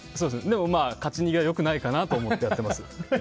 でも勝ち逃げはよくないかなと思ってやってます。